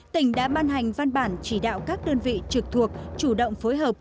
tỉnh đã ban hành văn bản chỉ đạo các đơn vị trực thuộc chủ động phối hợp